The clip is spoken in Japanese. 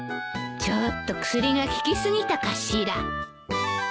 ちょっと薬が効き過ぎたかしら。